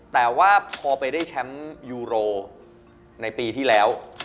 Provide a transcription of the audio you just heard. แต่ว่าพอไปได้แชมป์ยูโรในปีที่แล้ว